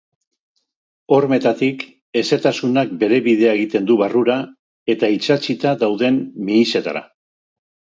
Hormetatik hezetasunak bere bidea egiten du barrura eta itsatsita dauden mihisetara.